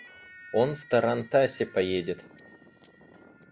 Он в тарантасе поедет.